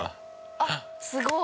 あっすごい！